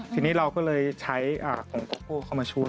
ทีนี้เราก็เลยออกลองโกโก้เข้ามาชูด